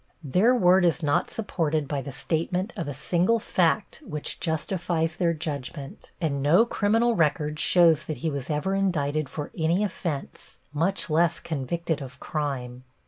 Their word is not supported by the statement of a single fact which justifies their judgment and no criminal record shows that he was ever indicted for any offense, much less convicted of crime.